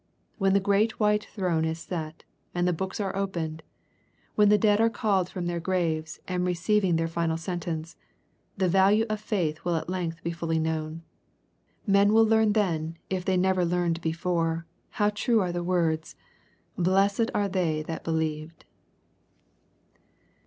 When the great white throne is set, and the books are opened, when the dead are called from their graves, and receiving their final sentence, the value of faith will at length be fully known. Men will learn then, if they never learned before, how true are the words, " Blessed are tney that believed."